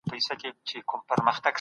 سازمانونه څنګه د روغتیا حق باوري کوي؟